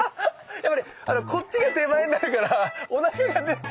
やっぱねこっちが手前になるからおなかがね